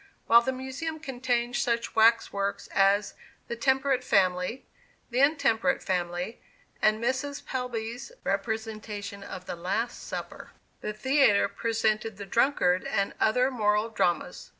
While the Museum contained such wax works as "The Temperate Family," "The Intemperate Family," and Mrs. Pelby's representation of "The Last Supper," the theatre presented "The Drunkard" and other moral dramas.